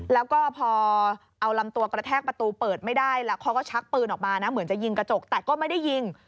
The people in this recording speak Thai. แล้วก็พอเอาลำตัวกระแทกประตูเปิดไม่ได้แล้วเขาก็ชักปืนออกมานะเหมือนจะยิงกระจกแต่ก็ไม่ได้ยิง